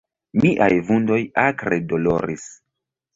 Miaj vundoj akre doloris.